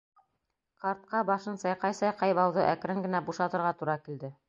Ҡартҡа башын сайҡай-сайҡай бауҙы әкрен генә бушатырға тура килде.